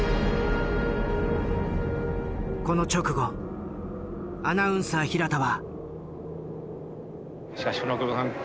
この直後アナウンサー平田は。